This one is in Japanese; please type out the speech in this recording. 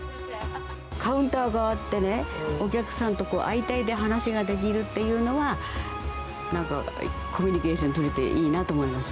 カウンターがあってね、お客さんと相対で話ができるっていうのは、なんかコミュニケーションが取れていいなと思います。